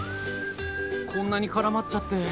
こんなに絡まっちゃって。